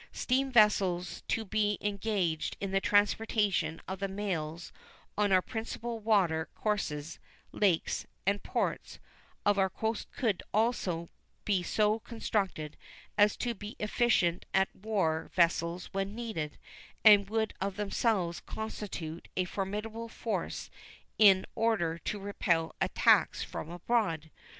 Steam vessels to be engaged in the transportation of the mails on our principal water courses, lakes, and ports of our coast could also be so constructed as to be efficient as war vessels when needed, and would of themselves constitute a formidable force in order to repel attacks from abroad..